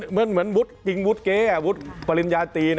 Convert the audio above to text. เหมือนวุทธ์จริงวุทข์เก๊ปริญญาตรี